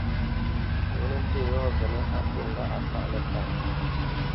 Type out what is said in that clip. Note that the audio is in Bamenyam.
Ŋo nə́ ntê yɔ̂ zətnə́ á pwô ŋgâʼ a páʼ nəkât.